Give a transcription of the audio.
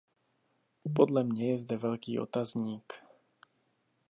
Podle mě je zde velký otazník.